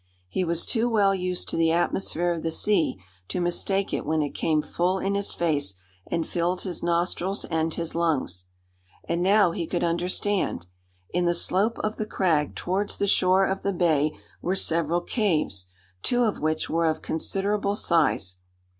He was too well used to the atmosphere of the sea to mistake it when it came full in his face, and filled his nostrils and his lungs. And now he could understand. In the slope of the crag towards the shore of the bay were several caves, two of which were of considerable size.